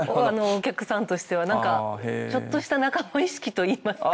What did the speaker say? お客さんとしてはなんかちょっとした仲間意識といいますか。